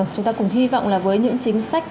chúng ta cùng hy vọng là với những chính sách